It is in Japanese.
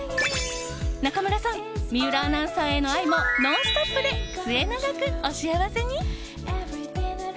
中村さん水卜アナウンサーへの愛もノンストップで末永くお幸せに。